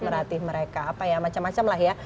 melatih mereka apa ya macam macam lah ya